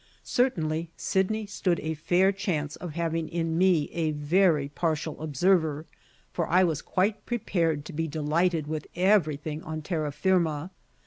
Certainly, Sydney stood a fair chance of having in me a very partial observer, for I was quite prepared to be delighted with everything on terra firma.